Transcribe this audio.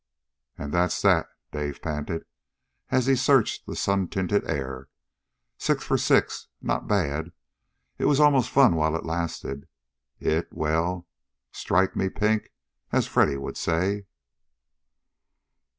"And that's that!" Dave panted as he searched the sun tinted air. "Six for six. Not bad. It was almost fun while it lasted. It well, strike me pink, as Freddy would say!"